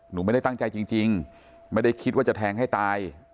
หนูไม่ได้ตั้งใจจริงไม่ได้คิดว่าจะแทงให้ตาย